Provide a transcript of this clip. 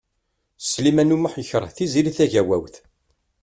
Sliman U Muḥ yekṛeh Tiziri Tagawawt.